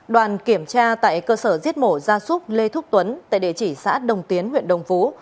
đoàn kiểm tra tại cơ sở giết mổ gia súc lê thúc tuấn tại địa chỉ xã đồng tiến huyện đồng phú